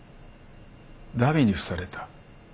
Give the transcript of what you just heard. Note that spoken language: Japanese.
荼毘に付された。